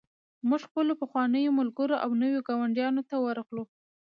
موږ خپلو پخوانیو ملګرو او نویو ګاونډیانو ته ورغلو